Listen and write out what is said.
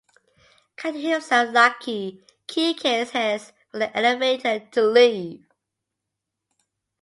Counting himself lucky, Keycase heads for the elevator to leave.